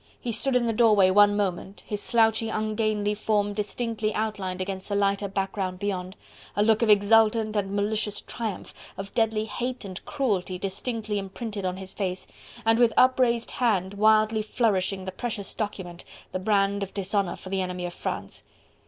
He stood in the doorway one moment, his slouchy, ungainly form distinctly outlined against the lighter background beyond, a look of exultant and malicious triumph, of deadly hate and cruelty distinctly imprinted on his face and with upraised hand wildly flourishing the precious document, the brand of dishonour for the enemy of France.